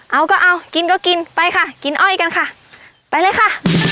เอาก็เอากินก็กินไปค่ะกินอ้อยกันค่ะไปเลยค่ะ